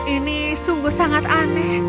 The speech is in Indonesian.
ini sungguh sangat aneh